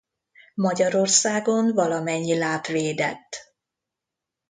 Magyarországon valamennyi láp védett.